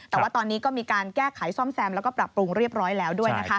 แต่ว่าตอนนี้ก็มีการแก้ไขซ่อมแซมแล้วก็ปรับปรุงเรียบร้อยแล้วด้วยนะคะ